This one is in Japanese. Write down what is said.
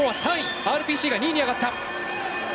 ＲＰＣが２位に上がった。